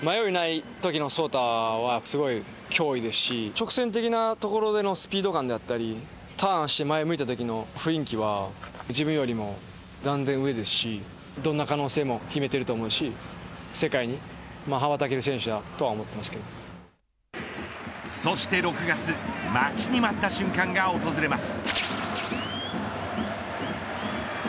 直線的なところでのスピードであったりターンして前を向いたときの雰囲気は自分よりも断然上ですしどんな可能性も秘めていると思うし世界に羽ばたける選手だとそして６月待ちに待った瞬間が訪れます。